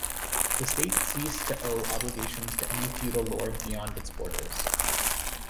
The state ceased to owe obligations to any feudal lord beyond its borders.